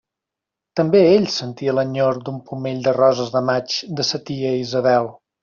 També ell sentia l'enyor d'un pomell de roses de maig de sa tia Isabel.